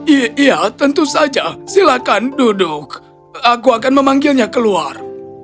iya tentu saja silakan duduk aku akan memanggilnya keluar